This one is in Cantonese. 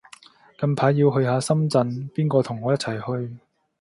近排要去下深圳，邊個同我一齊去